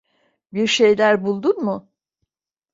Bir şeyler buldun mu?